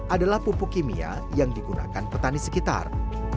adalah pupuk kimia yang digunakan petani sekitar